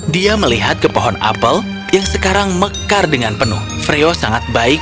dia melihat ke pohon apel yang sekarang mekar dengan penuh freo sangat baik